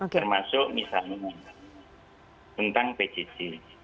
termasuk misalnya tentang bgc